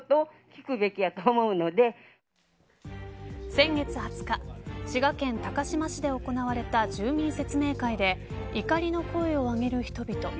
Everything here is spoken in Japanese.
先月２０日滋賀県高島市で行われた住民説明会で怒りの声を上げる人々。